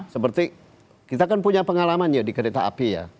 seperti kita kan punya pengalaman ya di kereta api ya